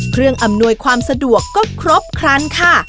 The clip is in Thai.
เครื่องอำนวยความสะดวกก็ครบครั้นค่ะ